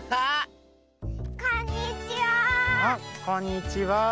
こんにちは！